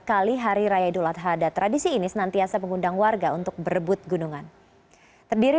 kali hari raya duladzada tradisi ini senantiasa mengundang warga untuk berebut gunungan terdiri